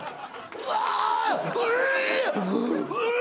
うわ！